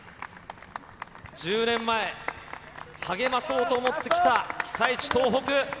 １０年前、励まそうと思ってきた被災地、東北。